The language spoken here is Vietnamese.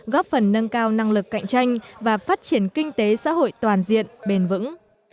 góp phần nâng cao năng lực cạnh tranh và phát triển kinh tế xã hội toàn diện bền vững